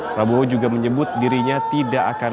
prabowo juga menyebut dirinya tidak akan